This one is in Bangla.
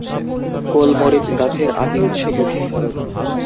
গোল মরিচ গাছের আদি উৎস দক্ষিণ ভারত।